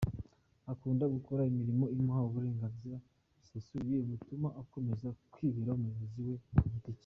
Akunda gukora imirimo imuha uburenganzira busesuye butuma akomeza kwibera umuyobozi we ku giti cye.